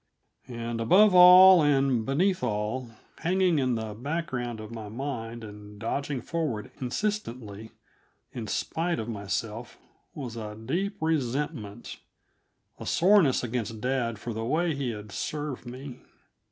And above all and beneath all, hanging in the background of my mind and dodging forward insistently in spite of myself, was a deep resentment a soreness against dad for the way he had served me.